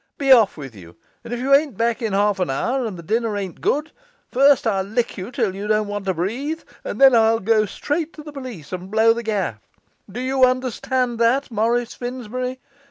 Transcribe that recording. Be off with you; and if you ain't back in half an hour, and if the dinner ain't good, first I'll lick you till you don't want to breathe, and then I'll go straight to the police and blow the gaff. Do you understand that, Morris Finsbury?